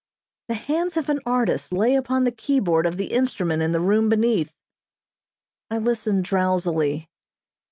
The hands of an artist lay upon the keyboard of the instrument in the room beneath. I listened drowsily.